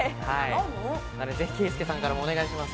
ぜひ圭祐さんからもお願いします。